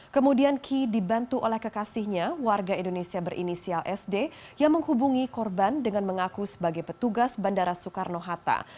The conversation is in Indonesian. kemudian key dibantu oleh kekasihnya warga indonesia berinisial sd yang menghubungi korban dengan mengaku sebagai petugas bandara soekarno hatta